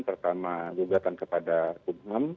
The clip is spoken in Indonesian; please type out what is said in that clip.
pertama gugatan kepada kub ham